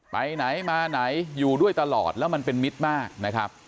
ไปไหนมาไหนอยู่ด้วยตลอดแล้วมันเป็นมิตรมากนะครับ